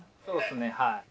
そうですねはい。